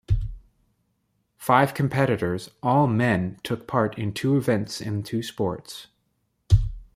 Five competitors, all men, took part in two events in two sports.